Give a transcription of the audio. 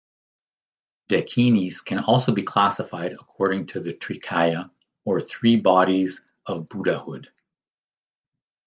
Dakinis can also be classified according to the Trikaya, or three bodies of buddhahood.